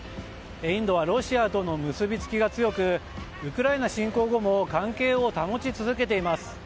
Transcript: インドはロシアとの結びつきが強くウクライナ侵攻後も関係を保ち続けています。